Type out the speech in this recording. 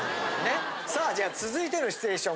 さあじゃあ続いてのシチュエーション